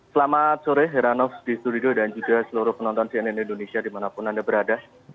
selamat sore heranov di studio dan juga seluruh penonton cnn indonesia dimanapun anda berada